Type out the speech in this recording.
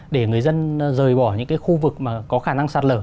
để người dân rời bỏ những cái khu vực mà có khả năng sạt lở